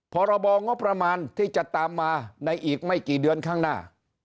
พรบงบประมาณที่จะตามมาในอีกไม่กี่เดือนข้างหน้า